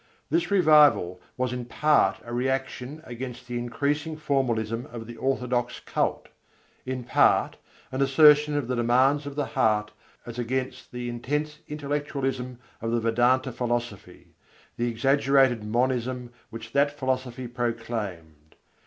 This revival was in part a reaction against the increasing formalism of the orthodox cult, in part an assertion of the demands of the heart as against the intense intellectualism of the Vedânta philosophy, the exaggerated monism which that philosophy proclaimed.